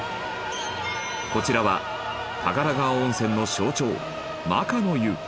こちらは宝川温泉の象徴摩訶の湯。